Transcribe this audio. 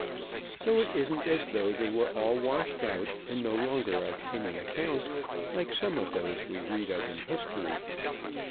So it isn't as though they were all washed out and no longer of any account, like some of those we read of in history.